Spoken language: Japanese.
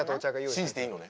信じていいのね？